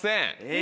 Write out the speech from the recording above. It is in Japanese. え！